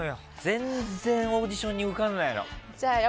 全然オーディションに受からないの。